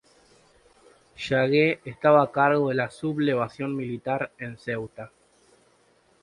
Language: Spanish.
Yagüe estaba a cargo de la sublevación militar en Ceuta.